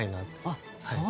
あっそう。